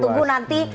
kita tunggu nanti